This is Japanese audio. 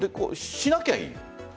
しなきゃいい。